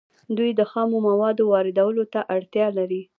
دوی د خامو موادو واردولو ته اړتیا لري